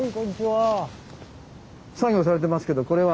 作業されてますけどこれは？